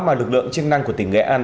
mà lực lượng chức năng của tỉnh nghệ an